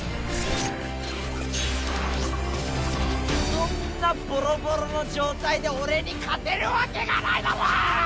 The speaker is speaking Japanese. そんなボロボロの状態で俺に勝てるわけがないだろう！